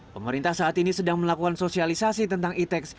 pemerintah saat ini sedang melakukan sosialisasi tentang itex